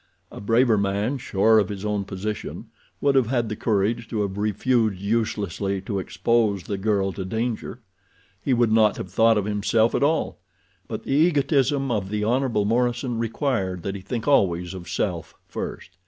A braver man, sure of his own position, would have had the courage to have refused uselessly to expose the girl to danger. He would not have thought of himself at all; but the egotism of the Hon. Morison required that he think always of self first.